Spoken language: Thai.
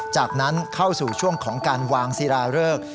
จากนั้นเข้าสู่ช่วงของการวางศิราเริก